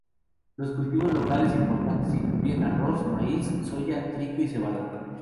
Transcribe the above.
Los cultivos locales importantes incluyen arroz, maíz, soja, trigo y cebada.